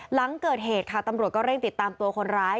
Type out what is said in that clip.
หลังเกิดเหตุค่ะตำรวจก็เร่งติดตามตัวคนร้าย